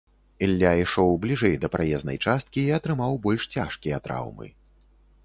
Ілля ішоў бліжэй да праезнай часткі і атрымаў больш цяжкія траўмы.